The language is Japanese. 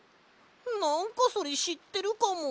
なんかそれしってるかも！